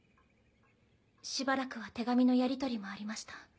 しばらくは手紙のやりとりもありました。